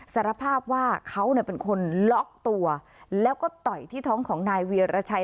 สารภาพว่าเขาเป็นคนล็อกตัวแล้วก็ต่อยที่ท้องของนายเวียรชัย